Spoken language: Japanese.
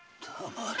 黙れ！